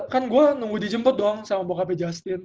kan gue nunggu dijemput dong sama bocape justin